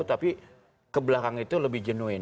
tapi kebelakang itu lebih genuin